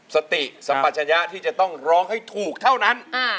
สติสัมปัชญะที่จะต้องร้องให้ถูกเท่านั้น